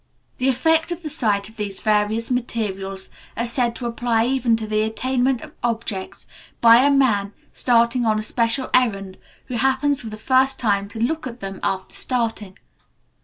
The effects of the sight of these various materials are said to apply even to the attainment of objects by a man starting on a special errand, who happens for the first time to look at them after starting.